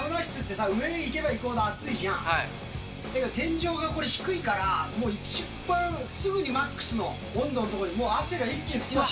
だけど天井がこれ、低いから、もう一番、すぐにマックスの温度の所に、もう汗が一気に噴き出し